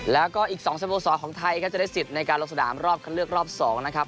แล้วก็อีก๒สโมสรของไทยครับจะได้สิทธิ์ในการลงสนามรอบคันเลือกรอบ๒นะครับ